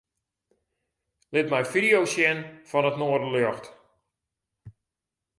Lit my fideo's sjen fan it noarderljocht.